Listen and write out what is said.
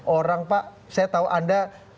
orang pak saya tahu anda